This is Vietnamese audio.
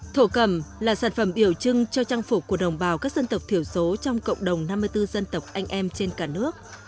thổ cầm là sản phẩm biểu trưng cho trang phục của đồng bào các dân tộc thiểu số trong cộng đồng năm mươi bốn dân tộc anh em trên cả nước